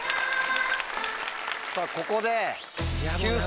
さぁここで。